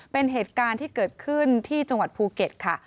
เป็นเหตุการณ์ที่เกิดขึ้นที่จังหวัดภูเก็ตค่ะ